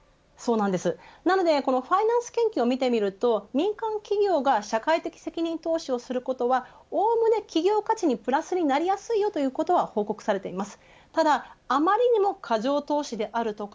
なのでファイナンス研究を見ていくと、民間企業が社会的責任投資をすることはおおむね企業価値につながりやすいよいうことが報告されています。